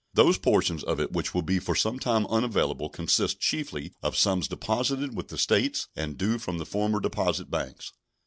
Those portions of it which will be for some time unavailable consist chiefly of sums deposited with the States and due from the former deposit banks.